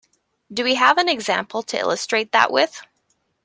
Do we have an example to illustrate that with?